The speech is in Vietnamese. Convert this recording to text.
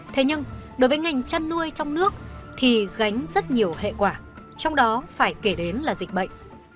thế nhưng đối với ngành chăn nuôi trong nước thì gánh rất nhiều hệ quả trong đó phải kể đến là dịch bệnh